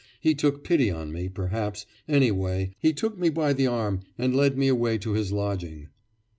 He took pity on me, perhaps; anyway, he took me by the arm and led me away to his lodging.